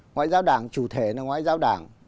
ngoại giao đảng chủ thể là ngoại giao đảng